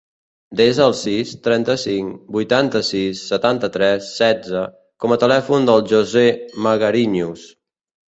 Desa el sis, trenta-cinc, vuitanta-sis, setanta-tres, setze com a telèfon del José Magariños.